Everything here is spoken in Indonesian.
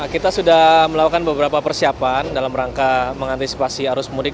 kita sudah melakukan beberapa persiapan dalam rangka mengantisipasi arus mudik